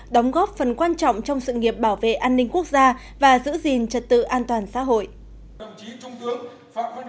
đóng góp phần quan trọng trong sự nghiệp bảo vệ an ninh quốc gia và giữ gìn trật tự an toàn xã hội